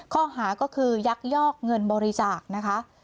ข้อหาก็คือยักยอกเงินบริจาคนะคะ